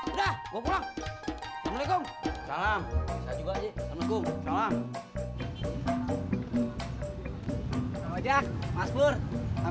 udah gue pulang assalamualaikum salam salam